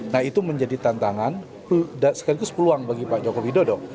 nah itu menjadi tantangan sekaligus peluang bagi pak joko widodo